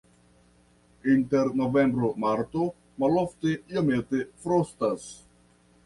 Inter novembro-marto malofte iomete frostas.